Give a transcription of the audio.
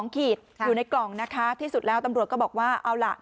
ขีดอยู่ในกล่องนะคะที่สุดแล้วตำรวจก็บอกว่าเอาล่ะ